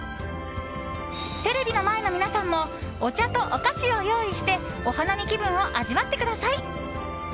テレビの前の皆さんもお茶とお菓子を用意してお花見気分を味わってください。